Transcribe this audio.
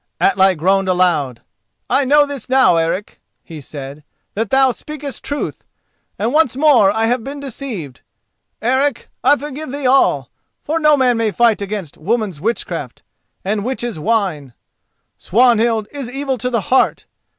Atli groaned aloud. "I know this now, Eric," he said: "that thou speakest truth, and once more I have been deceived. Eric, I forgive thee all, for no man may fight against woman's witchcraft, and witch's wine. Swanhild is evil to the heart.